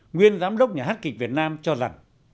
nguyên giám đốc nhà hát kịch việt nam cho rằng